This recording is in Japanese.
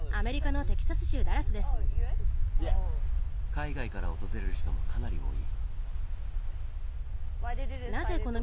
海外から訪れる人もかなり多い。